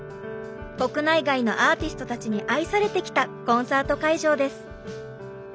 国内外のアーティストたちに愛されてきたコンサート会場です。